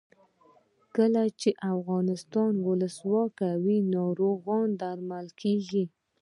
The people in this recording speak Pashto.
کله چې افغانستان کې ولسواکي وي ناروغان درملنه کیږي.